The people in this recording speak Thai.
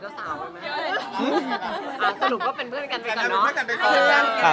อเจมส์สรุปก็เป็นเพื่อนกันไว้ก่อนเนาะ